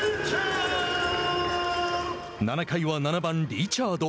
７回は７番リチャード。